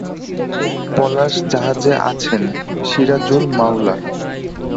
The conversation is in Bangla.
পলাশ জাহাজে আছেন সিরাজুল মওলা।